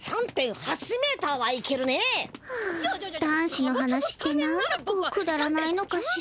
あ男子の話ってなんでこうくだらないのかしら。